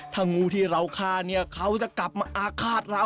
ถ้างูที่เราฆ่าเนี่ยเขาจะกลับมาอาฆาตเรา